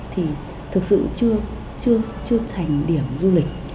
thì thực sự chưa thành điểm du lịch